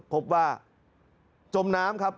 พบว่าจมน้ำครับ